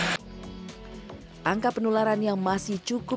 conservator permasalahan ilang tingkat